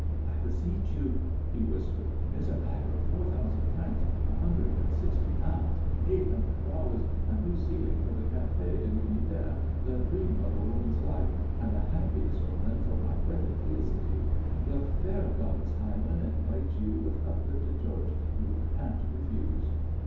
"I beseech you," he whispered; "it's a matter of four thousand francs, a hundred and sixty pounds, eight hundred dollars, a new ceiling for the Café de l'Univers, the dream of a woman's life, and the happiest omen for my wedded felicity. The fair goddess Hymen invites you with uplifted torch. You can't refuse."